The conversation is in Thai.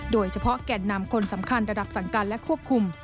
โดยเฉพาะแก่นนามคนสำคัญระดับสังการและควบคุม